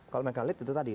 kalau menurut saya itu tadi